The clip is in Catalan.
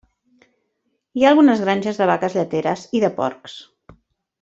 Hi ha algunes granges de vaques lleteres i de porcs.